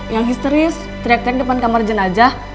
yang histeris teriak teri depan kamar jenajah